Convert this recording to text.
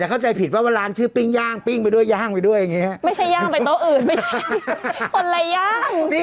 แต่เข้าใจผิดว่าว่าร้านชื่อปิ้งย่างปิ้งไปด้วยย่างไปด้วยอย่างนี้